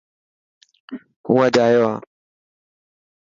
هون اڄ آيو هان.